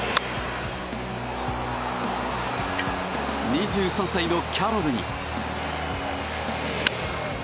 ２３歳のキャロルに。